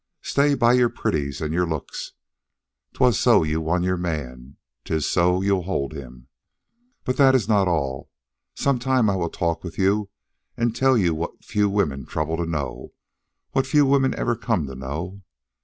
Stay by your pretties and your looks. 'Twas so you won your man, 'tis so you'll hold him. But that is not all. Some time I will talk with you and tell what few women trouble to know, what few women ever come to know.